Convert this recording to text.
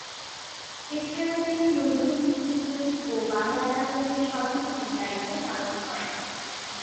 এছাড়াও তিনি নজরুল ইনস্টিটিউট ও বাংলা একাডেমির সভাপতির দায়িত্ব পালন করেন।